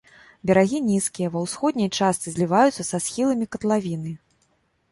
Берагі нізкія, ва ўсходняй частцы зліваюцца са схіламі катлавіны.